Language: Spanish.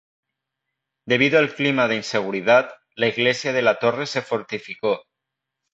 Debido al clima de inseguridad, la iglesia de la Torre se fortificó.